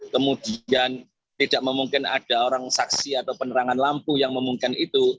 kemudian tidak memungkin ada orang saksi atau penerangan lampu yang memungkinkan itu